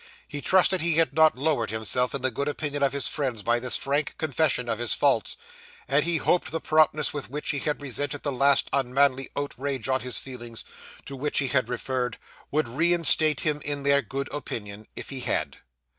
He trusted he had not lowered himself in the good opinion of his friends by this frank confession of his faults; and he hoped the promptness with which he had resented the last unmanly outrage on his feelings, to which he had referred, would reinstate him in their good opinion, if he had.